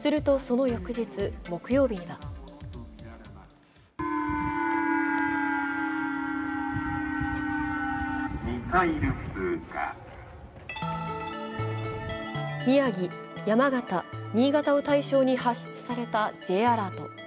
すると、その翌日、木曜日には宮城、山形、新潟を対象に発出されたＪアラート。